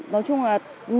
nói chung là